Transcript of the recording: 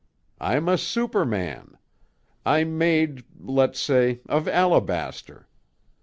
I'm a superman. I'm made let's say of alabaster.